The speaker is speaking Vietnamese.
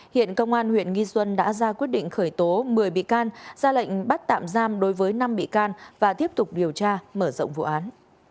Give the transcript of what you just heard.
hiện công an huyện nghi xuân đã ra quyết định khởi tố một mươi bị can ra lệnh bắt tạm giam đối với năm bị can và tiếp tục điều tra mở rộng vụ án